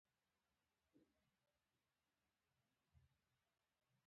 د بڼونو پراخوالی او د مېوه لرونکو نیالګیو زیاتول اقتصادي اغیز لري.